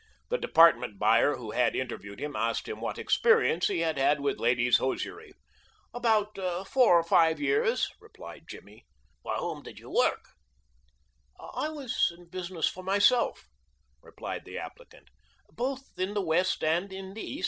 The department buyer who had interviewed him asked him what experience he had had with ladies' hosiery. "About four or five years," replied Jimmy. "For whom did you work?" "I was in business for myself," replied the applicant, "both in the West and in the East.